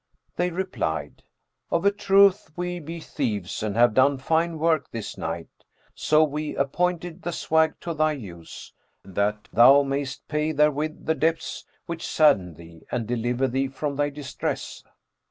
They replied, 'Of a truth we be thieves and have done fine work this night; so we appointed the swag to thy use, that thou mayst pay therewith the debts which sadden thee and deliver thee from thy distress.'